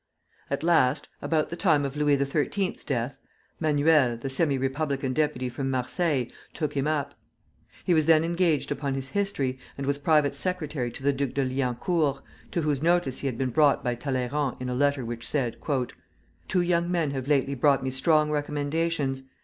At last, about the time of Louis XVIII.'s death, Manuel, the semi republican deputy from Marseilles, took him up. He was then engaged upon his History, and was private secretary to the Duc de Liancourt, to whose notice he had been brought by Talleyrand in a letter which said: "Two young men have lately brought me strong recommendations.